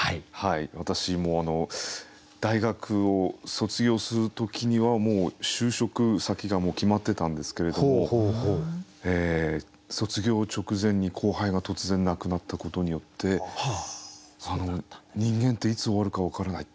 私大学を卒業する時にはもう就職先が決まってたんですけれども卒業直前に後輩が突然亡くなったことによって人間っていつ終わるか分からない。